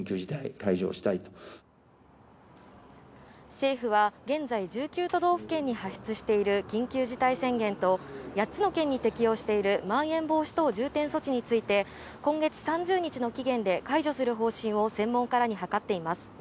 政府は現在１９都道府県に発出している緊急事態宣言と、８つの県に適用しているまん延防止等重点措置について、今月３０日の期限で解除する方針を専門家らに諮っています。